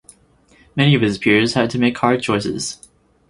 Many of his peers had to make hard choices.